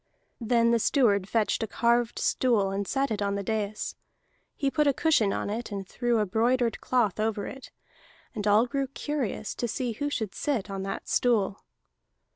Then the steward fetched a carved stool, and set it on the dais. He put a cushion in it, and threw a broidered cloth over it. And all grew curious to see who should sit on that stool.